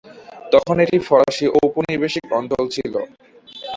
তখন এটি ফরাসি ঔপনিবেশিক অঞ্চল ছিল।